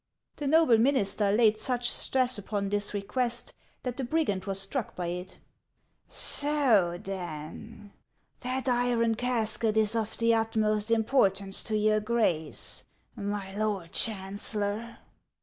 The noble minister laid such stress upon this request that the brigand was struck by it. " So, then, that iron casket is of the utmost importance to your Grace, my Lord Chancellor